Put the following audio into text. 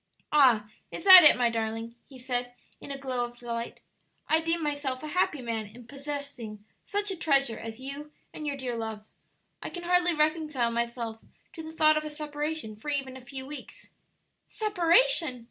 "Ah, is that it, my darling?" he said, in a glow of delight. "I deem myself a happy man in possessing such a treasure as you and your dear love. I can hardly reconcile myself to the thought of a separation for even a few weeks." "Separation!"